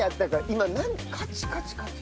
今何「カチカチカチ」？